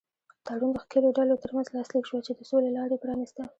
تړون د ښکېلو ډلو تر منځ لاسلیک شوه چې د سولې لاره یې پرانیسته.